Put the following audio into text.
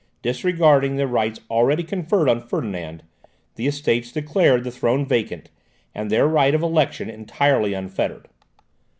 Disregarding the rights already conferred on Ferdinand, the Estates declared the throne vacant, and their right of election entirely unfettered.